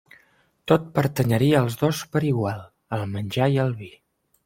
Tot pertanyeria als dos per igual: el menjar i el vi.